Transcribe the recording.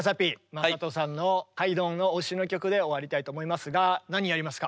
優人さんのハイドンの推しの曲で終わりたいと思いますが何やりますか？